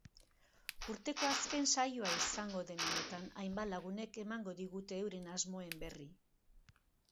Urteko azken saioa izango den honetan hainbat lagunek emango digute euren asmoen berri.